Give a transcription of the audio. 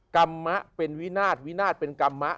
กรรมะเป็นวินาทวินาศเป็นกรรมะ